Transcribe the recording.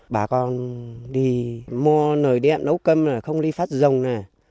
bà con đi mua nồi điện nấu cơm là không đi phát rồng này